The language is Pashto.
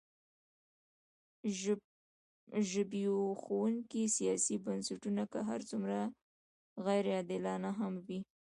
زبېښونکي سیاسي بنسټونه که هر څومره غیر عادلانه هم وي.